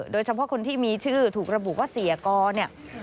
โดยเฉพาะคนที่มีชื่อถูกระบุว่าเสียกรเนี่ย